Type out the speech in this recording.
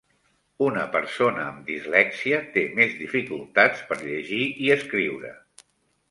Una persona amb dislèxia té més dificultats per llegir i escriure.